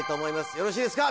よろしいですか？